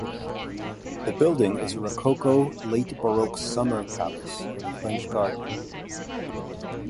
The building is a Rococo-late Baroque summer palace with a French garden.